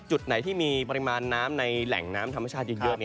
จุดไหนที่มีปริมาณน้ำในแหล่งน้ำธรรมชาติเยอะ